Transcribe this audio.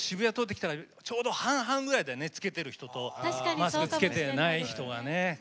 今日、渋谷通ってきたらちょうど半々ぐらいでマスクつけてる人とつけてない人がね。